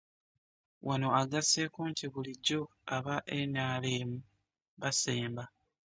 Wano agasseeko nti bulijjo aba NRM basemba